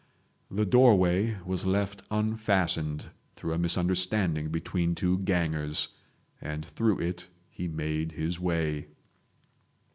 The doorway was left unfastened through a misunderstanding between two gangers, and through it he made his way